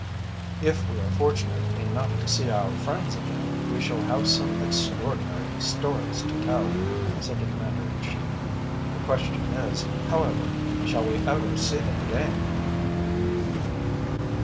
"If we are fortunate enough to see our friends again, we shall have some extraordinary stories to tell," said the Commander in Chief. "The question is, however, shall we ever see them again?"